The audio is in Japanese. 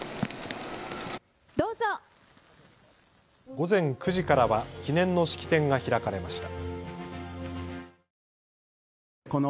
午前９時からは記念の式典が開かれました。